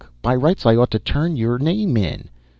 By rights, I ought to turn your name in."